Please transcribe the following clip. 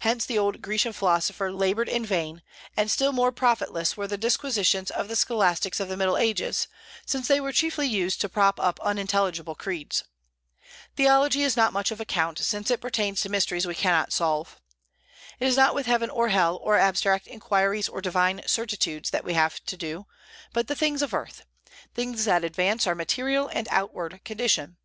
Hence the old Grecian philosopher labored in vain; and still more profitless were the disquisitions of the scholastics of the Middle Ages, since they were chiefly used to prop up unintelligible creeds. Theology is not of much account, since it pertains to mysteries we cannot solve. It is not with heaven or hell, or abstract inquiries, or divine certitudes, that we have to do, but the things of earth, things that advance our material and outward condition.